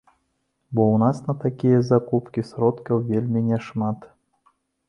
Бо ў нас на такія закупкі сродкаў вельмі няшмат.